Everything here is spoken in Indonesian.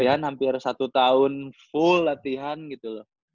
jadi saya hampir satu tahun full latihan gitu loh